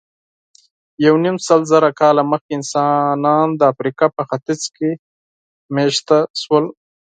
یونیمسلزره کاله مخکې انسانان د افریقا په ختیځ کې مېشته شول.